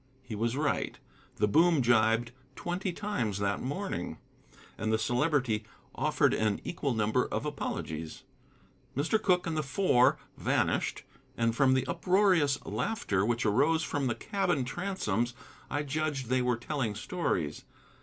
He was right. The boom gybed twenty times that morning, and the Celebrity offered an equal number of apologies. Mr. Cooke and the Four vanished, and from the uproarious laughter which arose from the cabin transoms I judged they were telling stories.